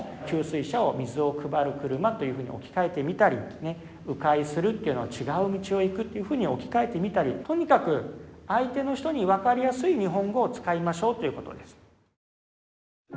「給水車」を「水をくばる車」というふうに置き換えてみたりね「う回する」というのを「ちがう道をいく」っていうふうに置き換えてみたりとにかく相手の人に分かりやすい日本語を使いましょうということです。